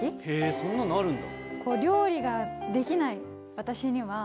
そんなのあるんだ。